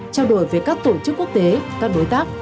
trao đổi với các tổ chức quốc tế các đối tác